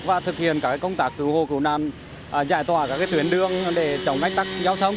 và thực hiện các công tác cứu hồ cứu nạn giải tỏa các tuyến đường để chống ách tắc giao thông